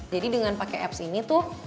jadi dengan pakai apps ini tuh